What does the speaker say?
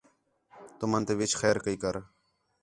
تُمن تے وِِچ خیر کَئی کر